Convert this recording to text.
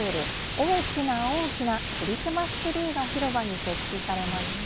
大きな大きなクリスマスツリーが広場に設置されました。